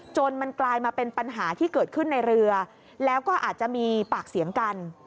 จนมันกลายมาเป็นปัญหาที่เกิดขึ้นในเรือแล้วก็อาจจะมีปากเสียงกัน